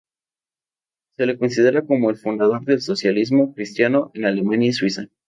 Se le considera como el fundador del socialismo cristiano en Alemania y Suiza.